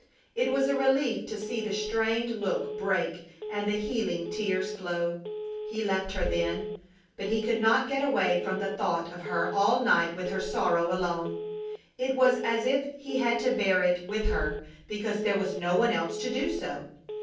It was a relief to see the strained look break and the healing tears flow. He left her then, but he could not get away from the thought of her all night with her sorrow alone. It was as if he had to bear it with her because there was no one else to do so.